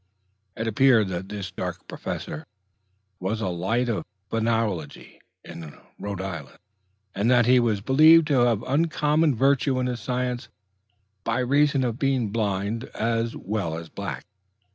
It appeared that this dark professor was a light of phrenology in Rhode Island, and that he was believed to have uncommon virtue in his science by reason of being blind as well as black.